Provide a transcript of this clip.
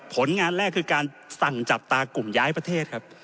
ผลงานแรกคือการสั่งจับตากลุ่มย้ายประเทศครับ